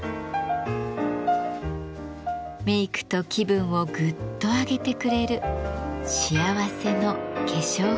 メイクと気分をグッと上げてくれる幸せの化粧筆です。